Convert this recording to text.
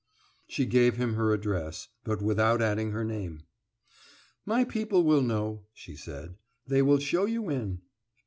She gave him her address, but without adding her name. "My people will know," she said. "They will show you in."